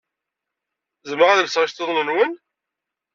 Zemreɣ ad lseɣ iceḍḍiḍen-nwen?